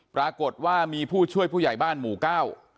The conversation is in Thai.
ปรากฏว่ามีผู้ช่วยผู้ใหญ่บ้านหมู่เก้า